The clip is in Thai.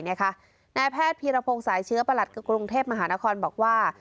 นายแพทย์พีรพงศ์สายเชื้อประหลัดกรุงเทพมหานครบอกว่า